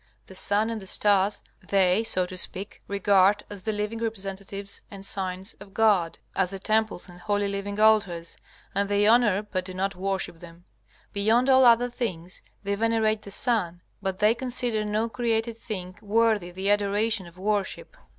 The sun and the stars they, so to speak, regard as the living representatives and signs of God, as the temples and holy living altars, and they honor but do not worship them. Beyond all other things they venerate the sun, but they consider no created thing worthy the adoration of worship.